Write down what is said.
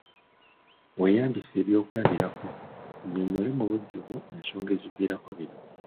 Weeyambise ebyokulabirako onnyonnyole mu bujjuvu ensonga eziviirako bino.